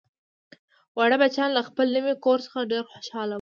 واړه بچیان له خپل نوي کور څخه ډیر خوشحاله وو